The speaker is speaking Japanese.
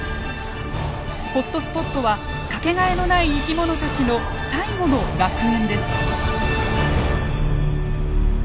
ホットスポットは掛けがえのない生き物たちの最後の楽園です。